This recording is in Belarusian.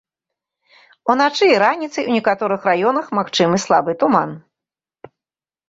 Уначы і раніцай у некаторых раёнах магчымы слабы туман.